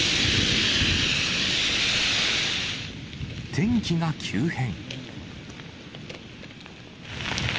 天気が急変。